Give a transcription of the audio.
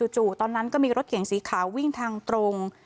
ตอนนั้นก็มีรถเก่งสีขาววิ่งทางตรง